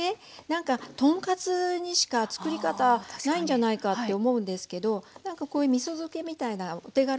何か豚カツにしか作り方ないんじゃないかって思うんですけどこういうみそ漬けみたいなお手軽なものにもね